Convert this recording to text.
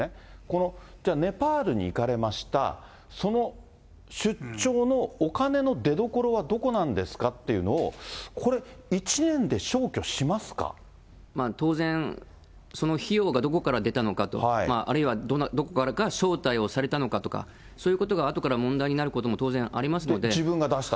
この、じゃあネパールに行かれました、その出張のお金の出どころはどこなんですかっていうのを、これ、当然、その費用がどこから出たのかと、あるいはどこからか招待されたのかとか、そういうことがあとから問題になることも当然ありますので。